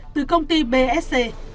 từ công ty bsc